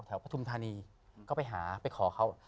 แถวตามทันีก็ไปหาไปขอเค้า